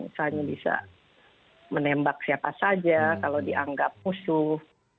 misalnya bisa menembak siapa saja kalau dianggap musuh